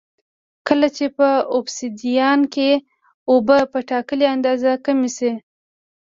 کله چې په اوبسیدیان کې اوبه په ټاکلې اندازه کمې شي